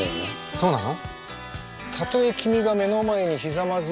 そうなの？